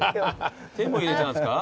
手も入れちゃうんすか？